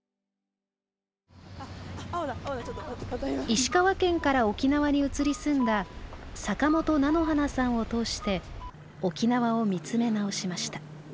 石川県から沖縄に移り住んだ坂本菜の花さんを通して沖縄を見つめ直しました。